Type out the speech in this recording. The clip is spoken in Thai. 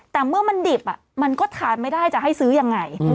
แต่เมื่อมันดิบมันก็ทานไม่ได้จะให้ซื้อยังไง